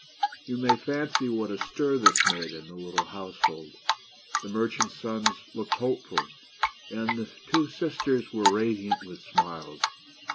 You may fancy what a stir this made in the little house hold. The merchant's sons looked hopeful, and the two sisters were radiant with smiles.